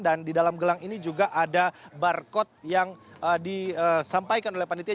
dan di dalam gelang ini juga ada barcode yang disampaikan oleh panitia